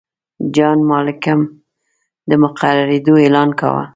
جان مالکم د مقررېدلو اعلان کاوه.